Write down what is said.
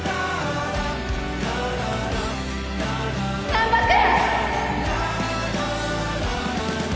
難破君！